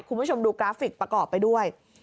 คุณผู้ชมดูกราฟิกประกอบไปด้วย